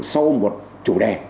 sau một chủ đề